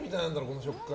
この食感。